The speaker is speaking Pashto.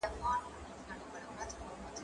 زه ليکنې کړي دي!؟